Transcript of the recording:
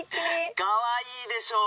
かわいいでしょ。